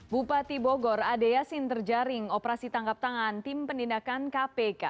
bupati bogor adeyasin terjaring operasi tangkap tangan tim pendidikan kpk